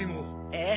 ええ。